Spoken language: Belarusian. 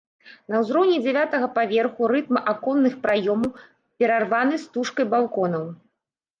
На ўзроўні дзявятага паверху рытм аконных праёмаў перарваны стужкай балконаў.